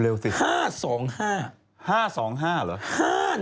เร็วสิ